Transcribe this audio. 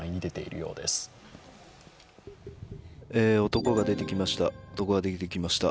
男が出てきました。